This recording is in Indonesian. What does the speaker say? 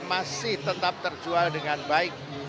masih tetap terjual dengan baik